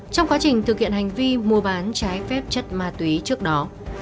trong quá trình thực hiện hành vi mua bán trái phép chất ma túy trước đó